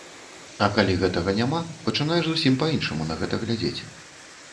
А калі гэтага няма, пачынаеш зусім па-іншаму на гэта глядзець.